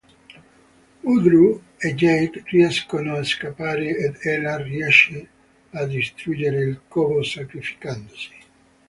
Woodrow e Jake riescono a scappare ed Ella riesce a distruggere il covo sacrificandosi.